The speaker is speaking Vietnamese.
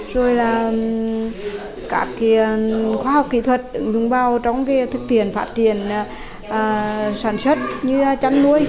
rồi là các khoa học kỹ thuật đứng vào trong thực tiền phát triển sản xuất như chăn nuôi